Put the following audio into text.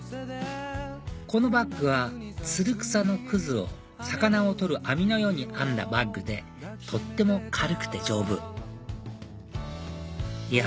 このバッグはつる草の葛を魚を取る網のように編んだバッグでとっても軽くて丈夫いや